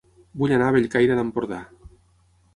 Vull anar a Bellcaire d'Empordà